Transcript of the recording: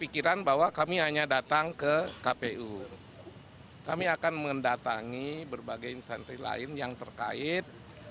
kami akan mendatangi berbagai instansi lain yang terkait